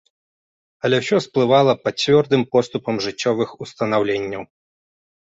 Але ўсё сплывала пад цвёрдым поступам жыццёвых устанаўленняў.